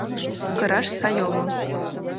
Кыраш сай огыл.